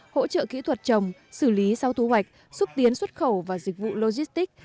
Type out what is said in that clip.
hỗ trợ kỹ thuật trồng xử lý sau thu hoạch xúc tiến xuất khẩu và dịch vụ logistics